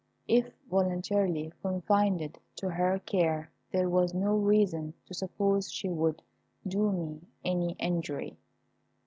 If voluntarily confided to her care there was no reason to suppose she would do me any injury.